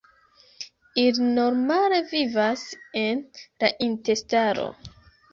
Ili normale vivas en la intestaro.